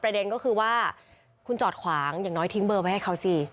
เด็นก็คือว่าคุณจอดขวางอย่างน้อยทิ้งเบอร์ไว้ให้เขาสิ